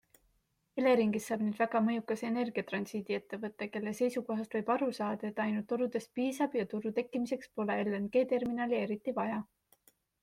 Eleringist saab nüüd väga mõjukas energiatransiidi ettevõte, kelle seisukohast võib aru saada, et ainult torudest piisab ja turu tekkimiseks polegi LNG-terminali eriti vaja.